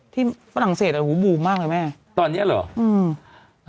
ที่ฝรั่งเศสหูบูมมากเลยแม่ตอนนี้เหรออืม